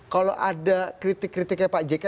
kalau ada kritik kritiknya pak jk